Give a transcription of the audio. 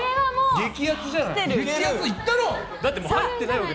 激アツじゃない？